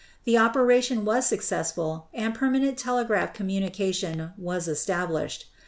The operation was successful, and permanent telegraph communication was established.